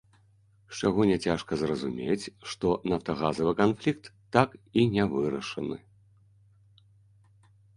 З чаго няцяжка зразумець, што нафтагазавы канфлікт так і не вырашаны.